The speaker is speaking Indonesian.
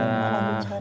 tidak lagi cari